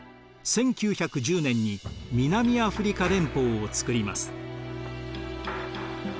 １９１０年に南アフリカ連邦をつくります。